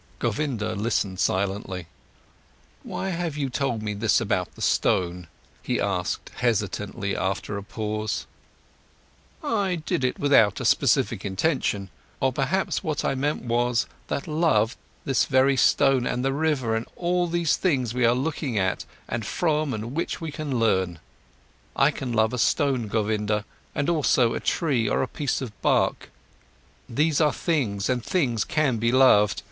Govinda listened silently. "Why have you told me this about the stone?" he asked hesitantly after a pause. "I did it without any specific intention. Or perhaps what I meant was, that I love this very stone, and the river, and all these things we are looking at and from which we can learn. I can love a stone, Govinda, and also a tree or a piece of bark. These are things, and things can be loved.